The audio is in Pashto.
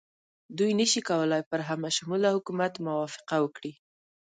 دوی نه شي کولای پر همه شموله حکومت موافقه وکړي.